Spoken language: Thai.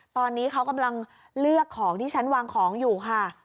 ตอนนี้เขากำลังเลือกของที่ฉันวางของอยู่ค่ะ